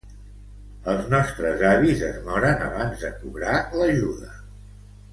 Els nostres avis es moren abans de cobrar l'ajuda